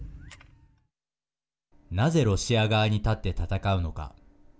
なぜロシア側に立って戦うのか。